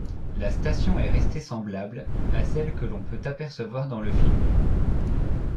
La station est restée semblable à celle que l’on peut apercevoir dans le film.